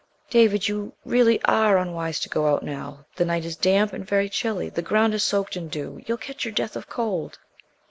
"David, you really are unwise to go out now. The night is damp and very chilly. The ground is soaked in dew. You'll catch your death of cold."